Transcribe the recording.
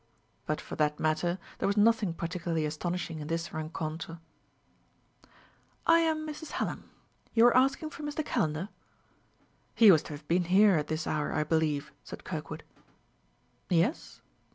But for that matter there was nothing particularly astonishing in this rencontre. "I am Mrs. Hallam. You were asking for Mr. Calendar?" "He was to have been here at this hour, I believe," said Kirkwood. "Yes?"